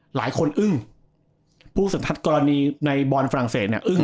หลายคนอึ้งผู้สัมภัษกรณีในบอลฝรั่งเศสเนี่ยอึ้ง